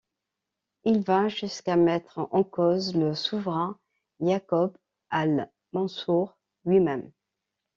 Il va jusqu'à mettre en cause le souverain Ya'qub al-Mansur lui-même.